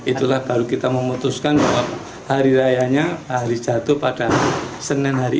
itulah baru kita memutuskan bahwa hari rayanya hari jatuh pada senin hari